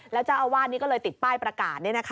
แล้วเจ้าอาวาสนี้ก็เลยติดป้ายประกาศ